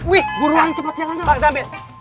gue ruang cepet yang lain